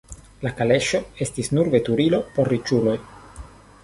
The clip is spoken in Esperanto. La kaleŝo estis nur veturilo por la riĉuloj.